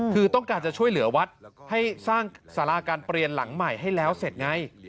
คือต้องการจะช่วยเหลือวัดให้สร้างสาราการเปลี่ยนหลังใหม่ให้แล้วเสร็จไง